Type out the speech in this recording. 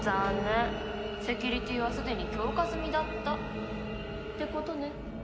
セキュリティーはすでに強化済みだったってことね。